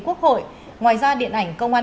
quốc hội ngoài ra điện ảnh công an